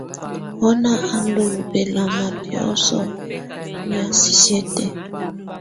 Wɔna á ndù bɛlama biɔ̀sɔ̀ nɛ̀á sisiǝ́ tɛ̀á.